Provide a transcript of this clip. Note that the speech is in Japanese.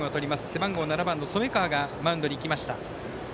背番号７番の染川がマウンドに行きました。